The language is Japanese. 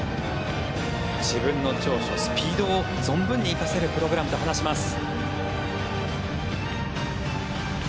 自分の長所、スピードを存分に生かせるプログラムと話します。